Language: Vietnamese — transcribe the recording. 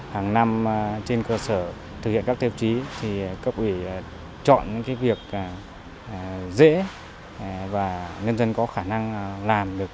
hàng năm trên cơ sở thực hiện các tiêu chí thì cấp ủy chọn những việc dễ và nhân dân có khả năng làm được